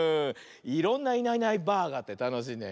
いろんな「いないいないばあ！」があってたのしいね。